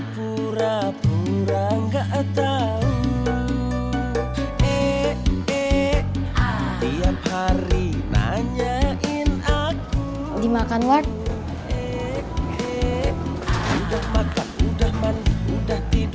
sudah dimakan ward